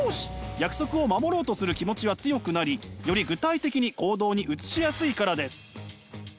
約束を守ろうとする気持ちは強くなりより具体的に行動に移しやすいからです。